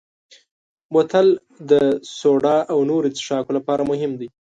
بوتل د سوډا او نورو څښاکو لپاره مهم دی.